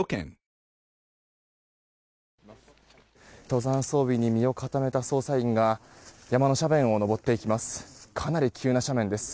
登山装備に身を固めた捜査員が山の斜面を登っていきます。